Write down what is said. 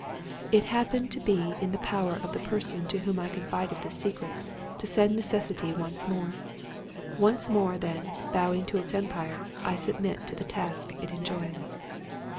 It happened to be in the power of the person to whom I confided this secret, to send NECESSITY once more. Once more, then, bowing to its empire, I submit to the task it enjoins.